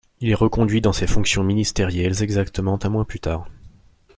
Il est reconduit dans ses fonctions ministérielles exactement un mois plus tard.